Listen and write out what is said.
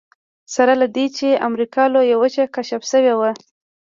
سره له دې چې امریکا لویه وچه کشف شوې وه.